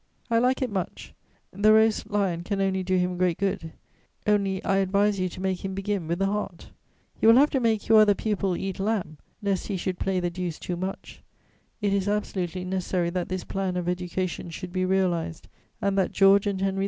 I like it much; the roast lion can only do him great good; only I advise you to make him begin with the heart. You will have to make your other pupil eat lamb, lest he should play the deuce too much. It is absolutely necessary that this plan of education should be realized and that George and Henry V.